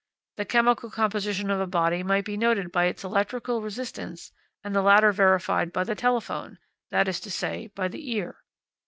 The chemical composition of a body might be noted by its electric resistance and the latter verified by the telephone; that is to say, by the ear.